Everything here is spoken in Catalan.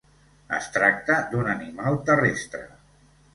Es tracta d'un animal terrestre.